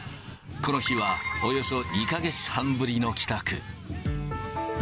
この日はおよそ２か月半ぶりの帰宅。